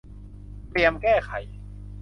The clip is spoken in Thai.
เตรียมแก้ไข